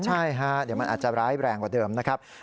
ใช่ฮะเดี๋ยวมันอาจจะร้ายแรงกว่าเดิมนะครับ